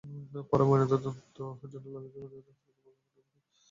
পরে ময়নাতদন্তের জন্য লাশ দুটি পাবনা জেনারেল হাসপাতাল মর্গে পাঠানো হয়েছে।